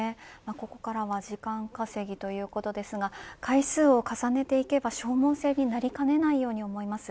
ここからは時間稼ぎということですが回数を重ねていけは消耗戦になりかねないように思います。